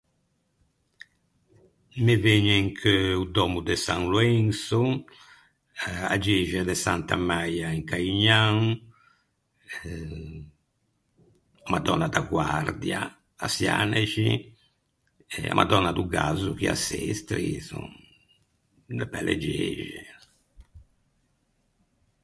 Me vëgne in cheu o dòmmo de San Loenso, a gexa de Santa Maia in Caignan, eh, a Madònna da Guardia à Çianexi, a Madònna do Gazzo chì à Sestri, son de belle gexe.